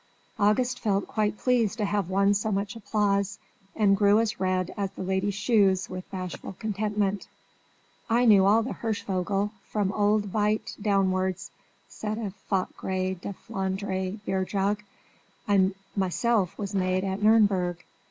August felt quite pleased to have won so much applause, and grew as red as the lady's shoes with bashful contentment. "I knew all the Hirschvogel, from old Veit downwards," said a fat grès de Flandre beer jug: "I myself was made at Nürnberg."